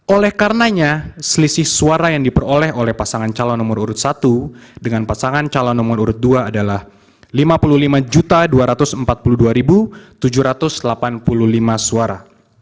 oleh karenanya selisih suara yang diperoleh oleh pasangan calon nomor urut satu dengan pasangan calon nomor urut dua adalah lima puluh lima dua ratus empat puluh dua tujuh ratus delapan puluh lima suara